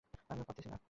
আমিও পারছি না।